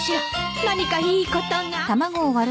何かいいことが。